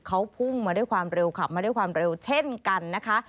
เขาพุ่งมาด้วยความเร็วขับมาด้วยความเร็วเช่นกันนะคะ